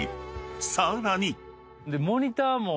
さらに］